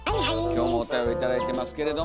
今日もおたより頂いてますけれども。